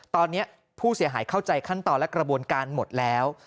ตอนนี้ผู้เสียหายเข้าใจขั้นตอนและกระบวนการหมดแล้ว